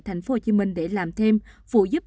tp hcm để làm thêm phụ giúp